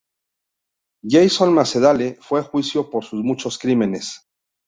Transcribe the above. Jason Macendale fue a juicio por sus muchos crímenes.